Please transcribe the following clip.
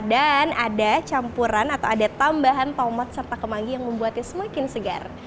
dan ada campuran atau ada tambahan tomat serta kemangi yang membuatnya semakin segar